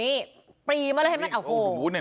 นี่ปรีมาเลยเห็นมั้ยโอ้โห